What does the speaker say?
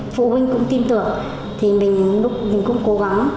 phụ huynh cũng tin tưởng thì mình cũng cố gắng